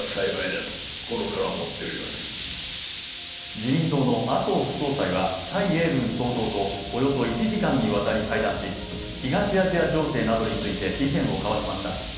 自民党の麻生副総裁は蔡英文総統とおよそ１時間にわたり会談し、東アジア情勢などについて意見を交わしました。